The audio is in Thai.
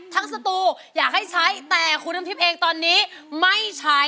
สตูอยากให้ใช้แต่คุณน้ำทิพย์เองตอนนี้ไม่ใช้